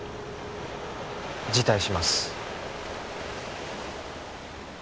辞退します